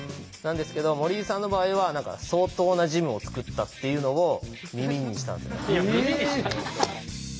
なんですけど森井さんの場合は何か相当なジムを作ったっていうのを耳にしたんですよ。